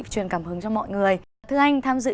truyền cảm hứng cho mọi người thưa anh tham dự